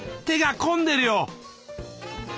手が込んでるよ！